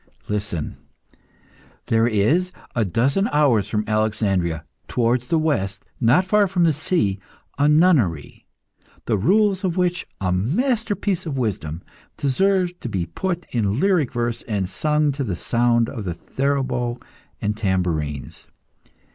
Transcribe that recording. Listen! there is, a dozen hours from Alexandria, towards the west, not far from the sea, a nunnery, the rules of which, a masterpiece of wisdom, deserve to be put in lyric verse and sung to the sound of the theorbo and tambourines.